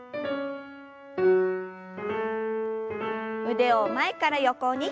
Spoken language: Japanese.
腕を前から横に。